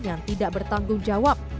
yang tidak bertanggung jawab